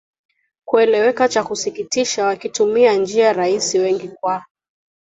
kueleweka Cha kusikitisha wakitumia njia rahisi wengi kwa